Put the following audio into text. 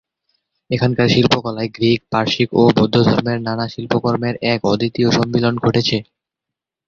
এখানকার শিল্পকলায় গ্রিক, পারসিক, ও বৌদ্ধধর্মের নানা শিল্পকর্মের এক অদ্বিতীয় সম্মিলন ঘটেছে।